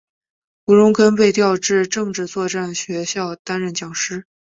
吴荣根被调至政治作战学校担任讲师。